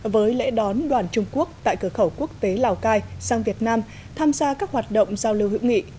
với lễ đón đoàn trung quốc tại cửa khẩu quốc tế lào cai sang việt nam tham gia các hoạt động giao lưu hữu nghị